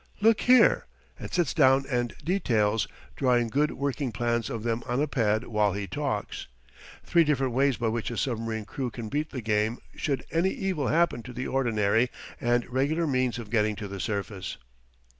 Look here," and sits down and details drawing good working plans of them on a pad while he talks three different ways by which a submarine crew can beat the game should any evil happen to the ordinary and regular means of getting to the surface.